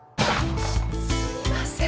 すいません。